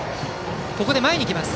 ここで前に行きます。